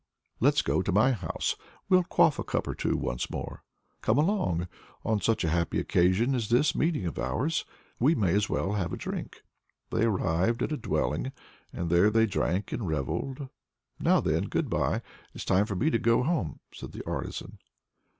"Let's go to my house. We'll quaff a cup or two once more." "Come along. On such a happy occasion as this meeting of ours, we may as well have a drink." They arrived at a dwelling and there they drank and revelled. "Now then, good bye! It's time for me to go home," said the artisan.